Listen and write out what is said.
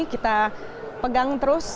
kita pegang terus